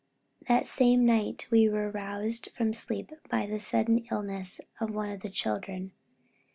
That same night we were roused from sleep by the sudden illness of one of the children.